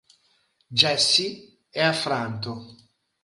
Jesse è affranto.